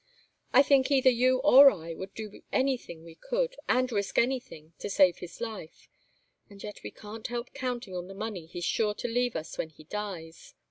I think either you or I would do anything we could, and risk anything, to save his life and yet we can't help counting on the money he's sure to leave us when he dies.